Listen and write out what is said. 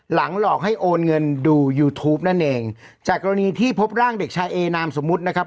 หลอกให้โอนเงินดูยูทูปนั่นเองจากกรณีที่พบร่างเด็กชายเอนามสมมุตินะครับ